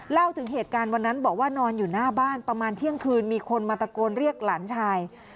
เล่าถึงเหตุการณ์วันนั้นบอกว่านอนอยู่หน้าบ้านประมาณเที่ยงคืนมีคนมาตะโกนเรียกหลานชาย